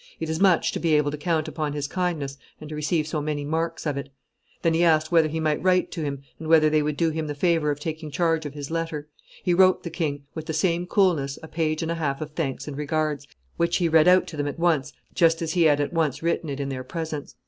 It is much to be able to count upon his kindness and to receive so many marks of it.' Then he asked whether he might write to him, and whether they would do him the favor of taking charge of his letter. He wrote the king, with the same coolness, a page and a half of thanks and regards, which he read out to them at once just as he had at once written it in their presence.